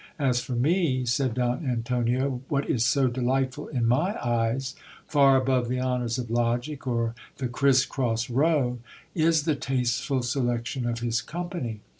As for me, said Don Antonio, what is so delightful in my eyes, far above the honours of logic or the criss cross row, is the tasteful selection of his company.